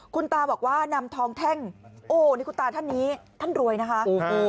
คุณตาบอกว่านำทองแท่งโอ้นี่คุณตาท่านนี้ท่านรวยนะคะ